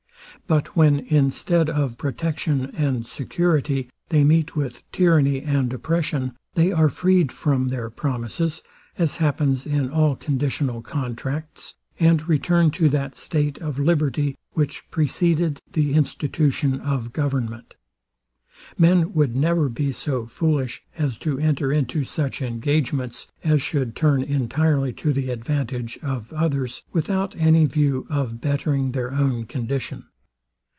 But when instead of protection and security, they meet with tyranny and oppression, they are freed from their promises, (as happens in all conditional contracts) and return to that state of liberty, which preceded the institution of government. Men would never be so foolish as to enter into such engagements as should turn entirely to the advantage of others, without any view of bettering their own condition.